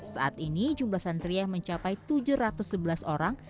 saat ini jumlah santriah mencapai tujuh ratus sebelas orang